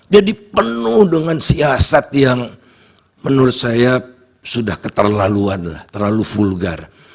jadi penuh dengan siasat yang menurut saya sudah keterlaluan terlalu vulgar